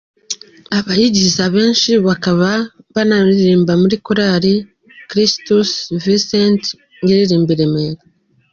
Abayigize abenshi bakaba banaririmba muri korali kirisitus Visinti iririmbira i Remera.